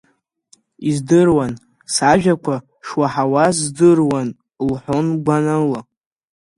Издыруан, сажәақәа шуаҳауаз здыруан лҳәон гәаныла.